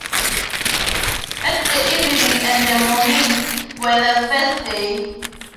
And the evening and the moming were the first day.